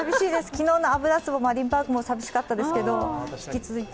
昨日の油壺マリンパークも寂しかったですけど、引き続いて。